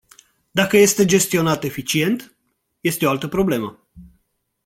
Dacă este gestionat eficient, este o altă problemă.